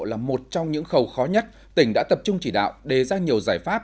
là một trong những khẩu khó nhất tỉnh đã tập trung chỉ đạo đề ra nhiều giải pháp